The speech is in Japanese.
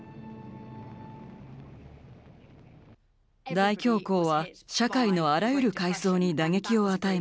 大恐慌は社会のあらゆる階層に打撃を与えました。